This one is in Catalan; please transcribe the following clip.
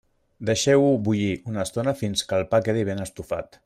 Deixeu-ho bullir una estona fins que el pa quedi ben estufat.